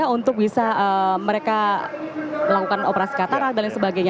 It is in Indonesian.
untuk bisa mereka melakukan operasi katarak dan lain sebagainya